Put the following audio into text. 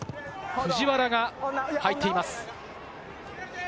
藤原が入っています。